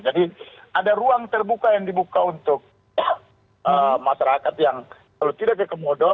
jadi ada ruang terbuka yang dibuka untuk masyarakat yang kalau tidak ke komodo